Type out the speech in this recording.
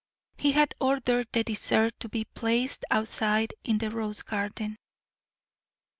He had ordered the dessert to be placed outside in the rose garden.